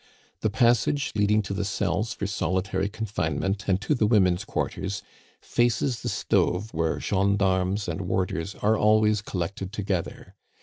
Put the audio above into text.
The passage, leading to the cells for solitary confinement and to the women's quarters, faces the stove where gendarmes and warders are always collected together.